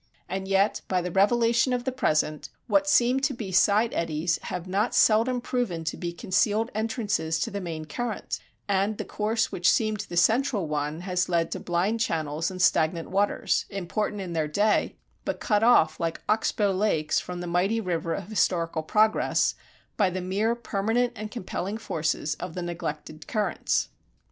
And yet, by the revelation of the present, what seemed to be side eddies have not seldom proven to be the concealed entrances to the main current, and the course which seemed the central one has led to blind channels and stagnant waters, important in their day, but cut off like oxbow lakes from the mighty river of historical progress by the mere permanent and compelling forces of the neglected currents.